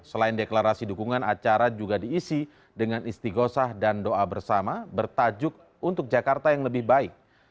selain deklarasi dukungan acara juga diisi dengan istighosah dan doa bersama bertajuk untuk jakarta yang lebih baik